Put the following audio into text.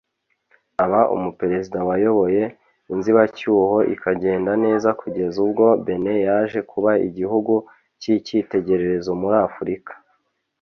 aba umuperezida wayoboye inzibacyuho ikagenda neza kugeza ubwo Benin yaje kuba igihugu cy’icyitegererezo muri Afurika